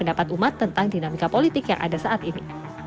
pendapat umat tentang dinamika politik yang ada saat ini